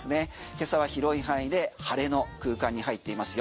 今朝は広い範囲で晴れの空間に入っていますよ。